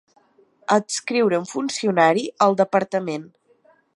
Adscriure un funcionari al departament.